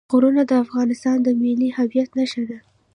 غرونه د افغانستان د ملي هویت نښه ده.